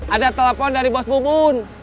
ada telepon dari bos bubun